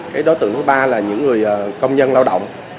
cái đối tượng thứ ba là những người công nhân lao động